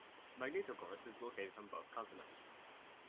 Magnitogorsk is located on both continents.